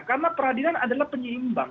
karena peradilan adalah penyeimbang